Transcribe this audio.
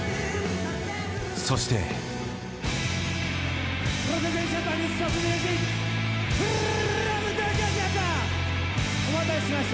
［そして］お待たせしました。